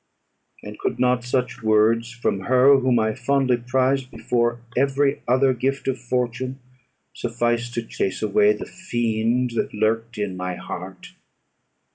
And could not such words from her whom I fondly prized before every other gift of fortune, suffice to chase away the fiend that lurked in my heart?